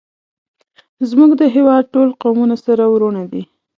زمونږ د هیواد ټول قومونه سره ورونه دی